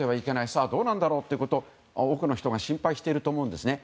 さあ、どうなんだろうということを多くの方が心配していると思います。